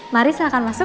mari silahkan masuk